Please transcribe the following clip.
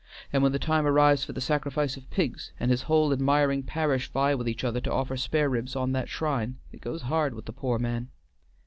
and when the time arrives for the sacrifice of pigs, and his whole admiring parish vie with each other to offer spare ribs on that shrine, it goes hard with the poor man."